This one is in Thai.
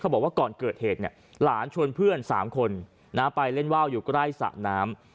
บอกว่าก่อนเกิดเหตุเนี่ยหลานชวนเพื่อน๓คนไปเล่นว่าวอยู่ใกล้สระน้ำ